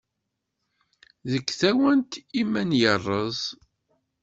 Deg tawant iman yerreẓ.